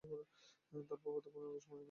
তার ফুফাতো বোন আগস্ট মাসে মৃত্যুবরণ করে।